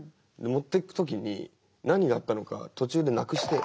持っていく時に何があったのか途中でなくして。